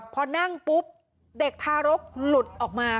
พอนั่งปุ๊บเด็กทารกหลุดออกมา